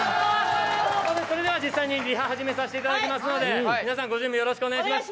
それでは実際にリハ、始めさせていただきますのでよろしくお願いします。